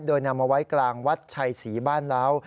โดยนำมาไว้กลางวัดชัยศรีบ้านเล้า